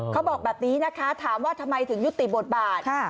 เขาบอกแบบนี้นะคะถามว่าทำไมถึงยุติบทบาท